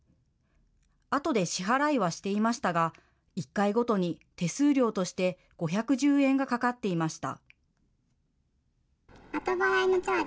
あとで支払いはしていましたが、１回ごとに手数料として５１０円がかかっていました。